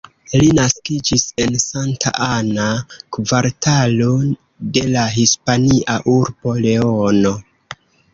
Li naskiĝis en Santa Ana, kvartalo de la Hispania urbo Leono.